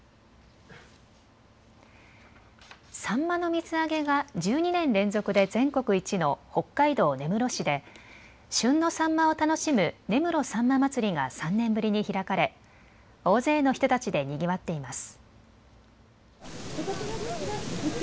サンマの水揚げが１２年連続で全国一の北海道根室市で旬のサンマを楽しむ根室さんま祭りが３年ぶりに開かれ、大勢の人たちでにぎわっています。